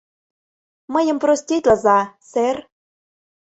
Мыйым проститлыза, сэр.